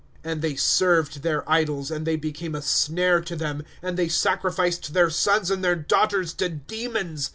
^ And they served their idols, And they became a snare to them. " And they sacrificed their sons and their daughters to de mons.